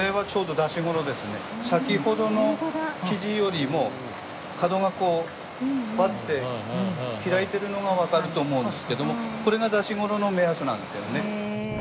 先ほどの生地よりも角がこうバッて開いてるのがわかると思うんですけどもこれが出し頃の目安なんですよね。